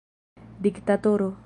diktatoro